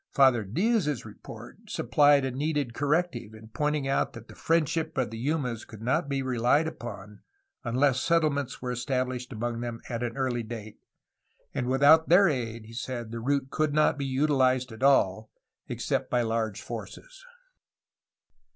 Father Diaz's report supplied JUAN BAUTISTA DE ANZA 301 a needed corrective in pointing out that the friendship of the Yumas could not be reUed upon unless settlements were established among them at an early date, and without their aid, he said, the route could not be utilized at all, except by large forces.